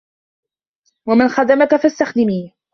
وَمَنْ خَدَمَك فَاسْتَخْدِمِيهِ